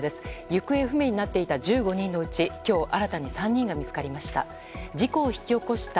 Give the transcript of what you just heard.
行方不明になっていた１５人のうち今日新たに３人が見つかりました。